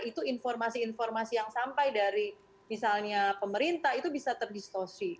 itu informasi informasi yang sampai dari misalnya pemerintah itu bisa terdiskusi